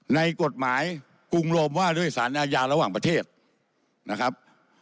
ในกฎหมายกรุงโรมว่าด้วยสารอาญาระหว่างประเทศนะครับ